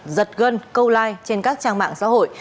giật gân câu like trên các trang mạng xã hội